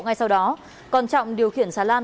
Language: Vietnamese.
ngay sau đó còn trọng điều khiển xà lan